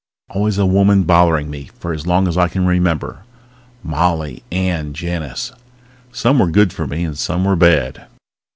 _Always a woman bothering me for as long as I can remember. Molly, Anne, Janice ... Some were good for me and some were bad.